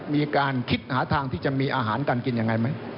มีการคิดหาทางที่จะมีอาหารการกินยังไงไหม